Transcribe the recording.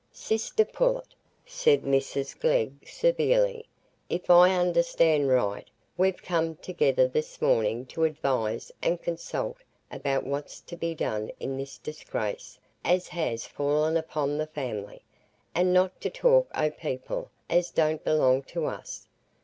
"Sister Pullet," said Mrs Glegg, severely, "if I understand right, we've come together this morning to advise and consult about what's to be done in this disgrace as has fallen upon the family, and not to talk o' people as don't belong to us.